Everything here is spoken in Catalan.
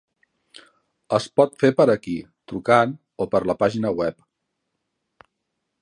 Es pot fer per aquí, trucant o per la pàgina web.